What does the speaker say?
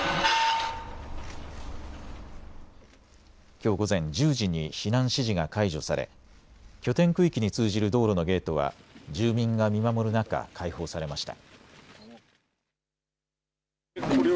きょう午前１０時に避難指示が解除され拠点区域に通じる道路のゲートは住民が見守る中、開放されました。